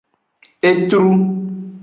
Etru.